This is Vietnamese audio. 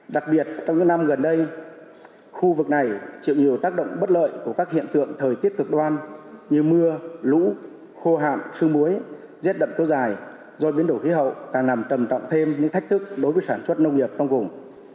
đặc biệt trong những năm gần đây khu vực này chịu nhiều tác động bất lợi của các hiện tượng thời tiết cực đoan như mưa lũ khô hạn sương muối rét đậm kéo dài do biến đổi khí hậu càng nằm tầm trọng thêm những thách thức đối với sản xuất nông nghiệp trong vùng